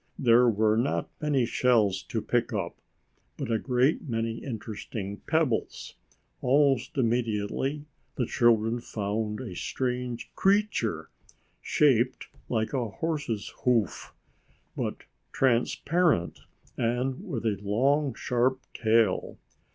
There were not many shells to pick up, but a great many interesting pebbles. Almost immediately the children found a strange creature, shaped like a horse's hoof, but transparent and with a long, sharp tail.